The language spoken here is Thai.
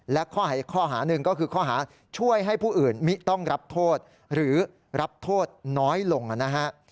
และข้อหาหนึ่งก็คือข้อหาช่วยให้ผู้อื่นมิต้องรับโทษหรือรับโทษน้อยลงนะฮะ